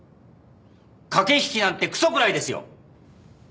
駆け引きなんてくそ食らえですよ。